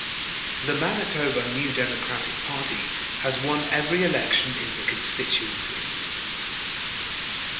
The Manitoba New Democratic Party has won every election in the constituency.